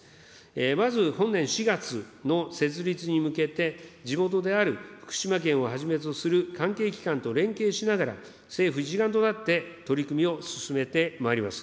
まず本年４月の設立に向けて、地元である福島県をはじめとする関係機関と連携しながら、政府一丸となって取り組みを進めてまいります。